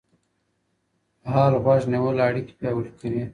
فعال غوږ نیول اړیکي پیاوړي کوي.